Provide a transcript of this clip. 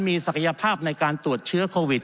มีศักยภาพในการตรวจเชื้อโควิด